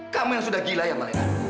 kamu yang sudah gila ya malaika